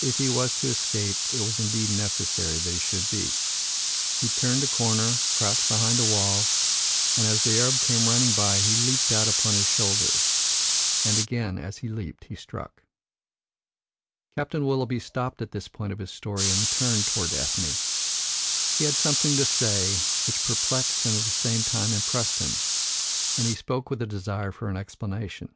If he was to escape, it was indeed necessary that he should be. He turned a corner, crouched behind a wall, and as the Arab came running by he leaped out upon his shoulders. And again as he leaped he struck." Captain Willoughby stopped at this point of his story and turned towards Ethne. He had something to say which perplexed and at the same time impressed him, and he spoke with a desire for an explanation.